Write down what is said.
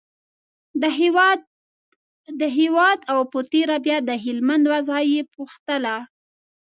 د هېواد او په تېره بیا د هلمند وضعه یې پوښتله.